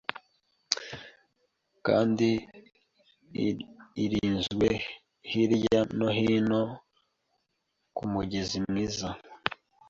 Kandi irinzwe hirya no hino kumugezi mwiza